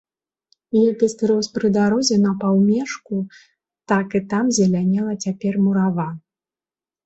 Як і скрозь пры дарозе на паўмежку, так і там зелянела цяпер мурава.